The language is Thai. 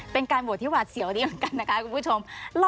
เป็นการบวชที่หวาดเสียวดีเหมือนกันนะคะคุณผู้ชม